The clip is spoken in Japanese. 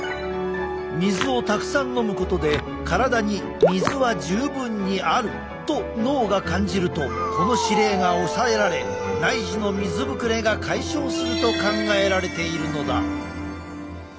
水をたくさん飲むことで体に水は十分にあると脳が感じるとこの指令が抑えられ内耳の水ぶくれが解消すると考えられているのだ。